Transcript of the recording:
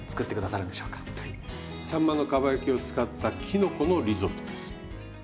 さんまのかば焼きを使ったきのこのリゾットです。